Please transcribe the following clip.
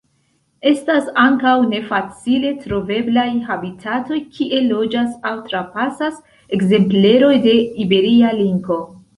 Estas ankaŭ ne facile troveblaj habitatoj kie loĝas aŭ trapasas ekzempleroj de Iberia linko.